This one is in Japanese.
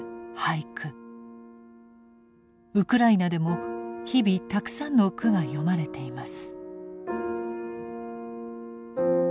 ウクライナでも日々たくさんの句が詠まれています。